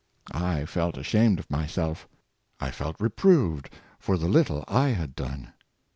I felt ashamed of myself I felt reproved for the little I had done.